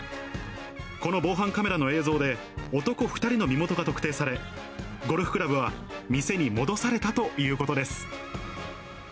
この防犯カメラの映像で男２人の身元が特定され、ゴルフクラブは店に戻されたということです。